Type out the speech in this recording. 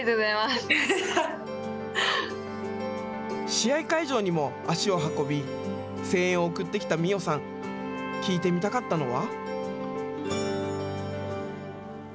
試合会場にも足を運び声援を送ってきた心桜さん聞いてみたかったのは。